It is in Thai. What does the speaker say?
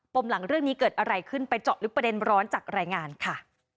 มหลังเรื่องนี้เกิดอะไรขึ้นไปเจาะลึกประเด็นร้อนจากรายงานค่ะ